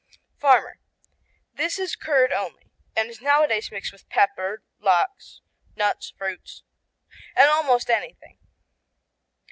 Farmer U.S.A. This is curd only and is nowadays mixed with pepper, lachs, nuts, fruits, almost anything.